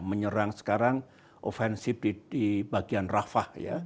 menyerang sekarang ofensif di bagian rafah